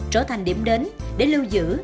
trở thành điểm đến để lưu giữ